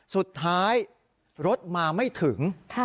สุดท้ายรถมาไม่ถึง